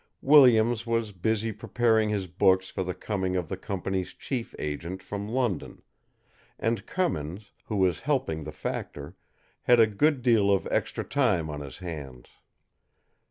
Williams was busy preparing his books for the coming of the company's chief agent from London, and Cummins, who was helping the factor, had a good deal of extra time on his hands.